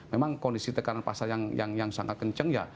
memang kondisi tekanan pasar yang sangat kencang ya